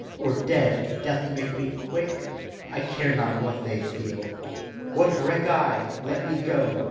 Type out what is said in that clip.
Or dead, death make me quick? I care not what they feel. What reck I? Let me go.